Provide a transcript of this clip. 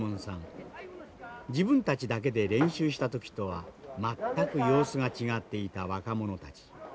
自分たちだけで練習した時とは全く様子が違っていた若者たち。